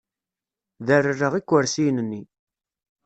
Derrereɣ ikersiyen-nni.